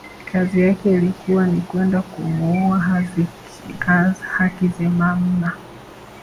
Kazi yake ilikuwa ni kwenda kumuua Hakizemana